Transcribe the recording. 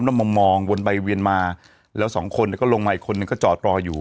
แล้วมองมองวนไปเวียนมาแล้วสองคนเนี่ยก็ลงมาอีกคนนึงก็จอดรออยู่